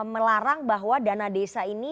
melarang bahwa dana desa ini